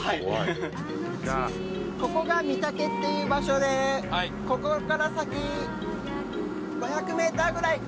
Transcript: ここが御岳っていう場所でここから先５００ｍぐらい行くと。